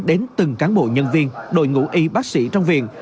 đến từng cán bộ nhân viên đội ngũ y bác sĩ trong viện